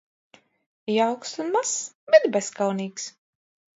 Jauks un mazs, bet bezkaunīgs